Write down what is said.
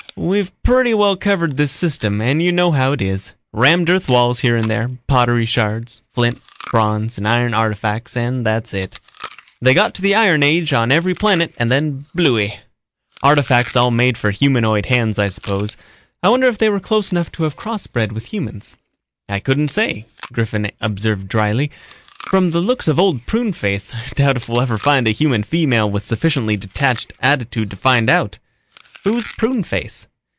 We've pretty well covered this system and you know how it is. Rammed earth walls here and there, pottery shards, flint, bronze and iron artifacts and that's it. They got to the iron age on every planet and then blooey." "Artifacts all made for humanoid hands I suppose. I wonder if they were close enough to have crossbred with humans." "I couldn't say," Griffin observed dryly. "From the looks of Old Pruneface I doubt if we'll ever find a human female with sufficiently detached attitude to find out." "Who's Pruneface?"